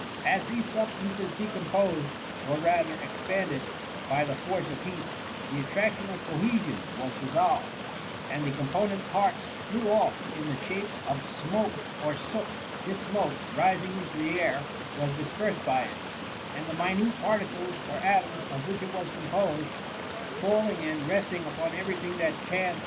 As these sub stances decomposed, or rather expanded, by the force of heat, the attraction of cohesion was dissolved, and the component parts flew off in the shape of smoke or soot This smoke, rising into the air, was dispersed by it, and the minute particles, or atoms, of which it was composed, falling and resting upon every thing that chanced THE MUMMY.